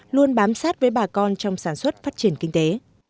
luôn bám sát với bà con trong sản xuất phát triển kinh tế